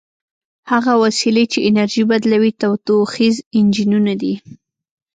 هغه وسیلې چې انرژي بدلوي تودوخیز انجنونه دي.